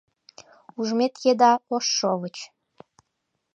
Ужмет еда — ош шовыч.